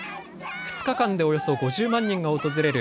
２日間でおよそ５０万人が訪れる